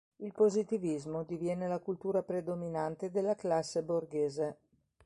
Il positivismo diviene la cultura predominante della classe borghese.